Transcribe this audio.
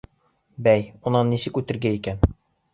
Бәй, унан нисек үтергә икән?